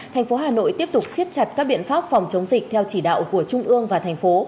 tp hcm tiếp tục xiết chặt các biện pháp phòng chống dịch theo chỉ đạo của trung ương và thành phố